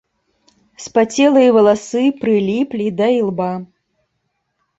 Спацелыя валасы прыліплі да ілба.